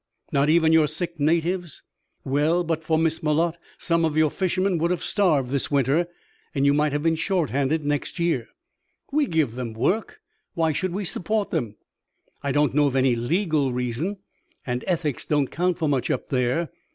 "Not even your sick natives. Well, but for Miss Malotte some of your fishermen would have starved this winter, and you might have been short handed next year." "We give them work. Why should we support them?" "I don't know of any legal reason, and ethics don't count for much up there.